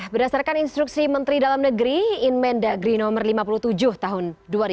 berdasarkan instruksi menteri dalam negeri inmen dagri no lima puluh tujuh tahun dua ribu dua puluh